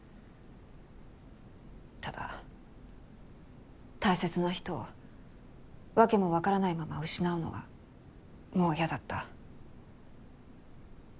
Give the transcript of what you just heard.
ただ大切な人を訳もわからないまま失うのはもう嫌だった。